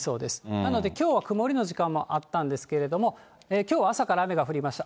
なので、きょうは曇りの時間もあったんですけれども、きょうは朝から雨が降りました。